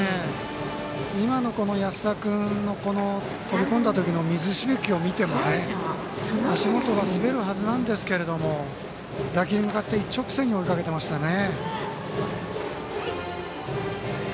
今の安田君の飛び込んだ水しぶきを見ても、足元が滑るはずなんですけど打球に向かって一直線に追いかけてましたね。